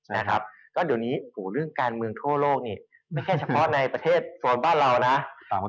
แล้วเดี๋ยวนี้การเมืองทั่วโลกนี้ไม่แค่เฉพาะในประเทศส่วนบ้านเรานะ